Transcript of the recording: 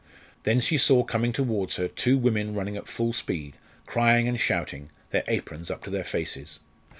Then she saw coming towards her two women running at full speed, crying and shouting, their aprons up to their faces.